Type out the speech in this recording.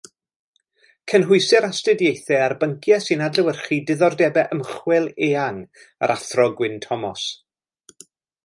Cynhwysir astudiaethau ar bynciau sy'n adlewyrchu diddordebau ymchwil eang yr Athro Gwyn Thomas.